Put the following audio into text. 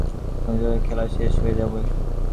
তখন সংসার-খেলা শেষ হয়ে যাবে।